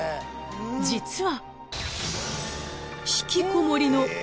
［実は］